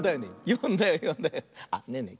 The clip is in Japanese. よんだよよんだよ。あっねえねえ